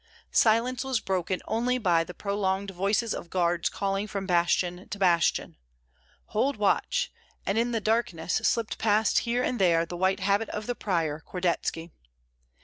Silence was broken only by the prolonged voices of guards calling from bastion to bastion, "Hold watch!" and in the darkness slipped past here and there the white habit of the prior, Kordetski.